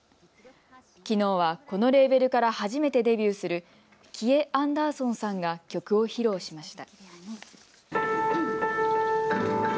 きのうはこのレーベルから初めてデビューするＫＩＥＡｎｄｅｒｓｏｎさんが曲を披露しました。